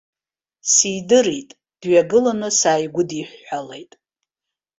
Сидырит, дҩагыланы сааигәыдиҳәҳәалеит.